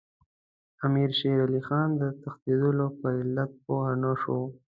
امیر شېر علي خان د ستنېدلو په علت پوه نه شو.